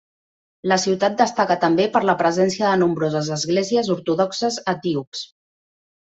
La ciutat destaca també per la presència de nombroses esglésies ortodoxes etíops.